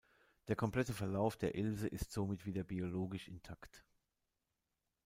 Der komplette Verlauf der Ilse ist somit wieder biologisch intakt.